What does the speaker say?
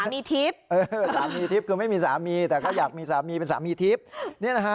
มีทิพย์สามีทิพย์คือไม่มีสามีแต่ก็อยากมีสามีเป็นสามีทิพย์